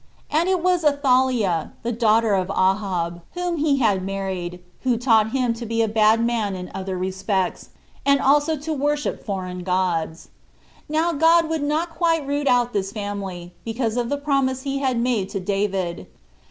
And it was Athaliah, the daughter of Ahab, whom he had married, who taught him to be a bad man in other respects, and also to worship foreign gods. Now God would not quite root out this family, because of the promise he had made to David.